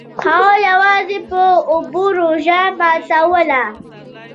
هغه یوازې په اوبو روژه ماتوله.